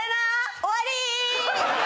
終わり！